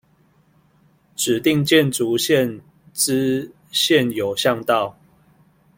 指定建築線之現有巷道